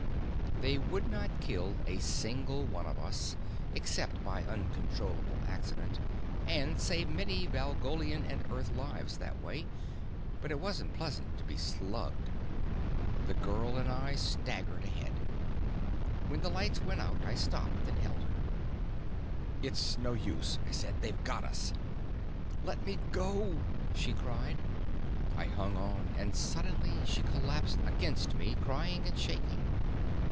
They would kill not a single one of us, except by uncontrollable accident, and save many Valgolian and Earth lives that way, but it wasn't pleasant to be slugged. The girl and I staggered ahead. When the lights went out, I stopped and held her. "It's no use," I said. "They've got us." "Let me go!" she cried. I hung on, and suddenly she collapsed against me, crying and shaking.